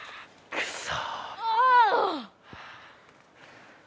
くそ。